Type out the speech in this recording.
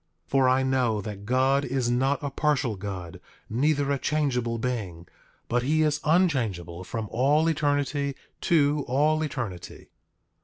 8:18 For I know that God is not a partial God, neither a changeable being; but he is unchangeable from all eternity to all eternity.